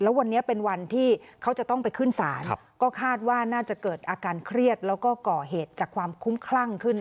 แล้ววันนี้เป็นวันที่เขาจะต้องไปขึ้นศาลก็คาดว่าน่าจะเกิดอาการเครียดแล้วก็ก่อเหตุจากความคุ้มคลั่งขึ้น